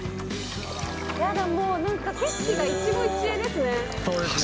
やだ、もうなんか、景色が一そうですね。